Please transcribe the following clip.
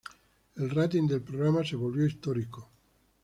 El rating del programa se volvió histórico.